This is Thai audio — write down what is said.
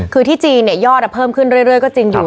คือที่จีนเนี่ยยอดเพิ่มขึ้นเรื่อยก็จริงอยู่